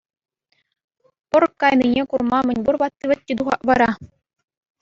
Пӑр кайнине курма мӗнпур ватти-вӗтти тухать вара.